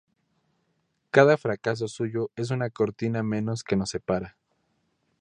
Cada fracaso suyo es una cortina menos que nos separa.